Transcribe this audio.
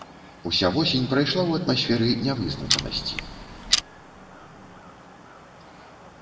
Уся восень прайшла ў атмасферы нявызначанасці.